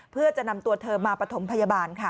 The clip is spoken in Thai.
เพื่อจะนำตัวเธอมาปฐมพยาบาลค่ะ